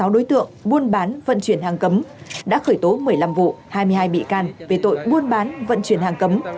sáu đối tượng buôn bán vận chuyển hàng cấm đã khởi tố một mươi năm vụ hai mươi hai bị can về tội buôn bán vận chuyển hàng cấm